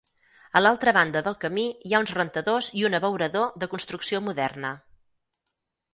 A l'altra banda del camí hi ha uns rentadors i un abeurador de construcció moderna.